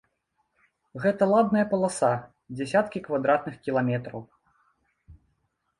Гэта ладная паласа, дзясяткі квадратных кіламетраў.